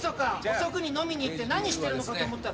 遅くに飲みに行って何してるのかと思ったら。